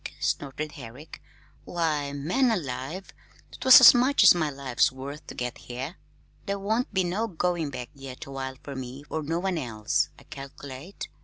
snorted Herrick. "Why, man alive, 'twas as much as my life's worth to get here. There won't be no goin' back yet awhile fer me nor no one else, I calc'late.